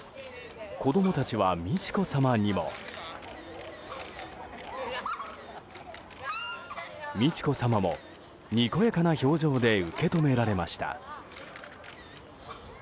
子供たちは美智子さまにも。美智子さまも、にこやかな表情で受け止められました。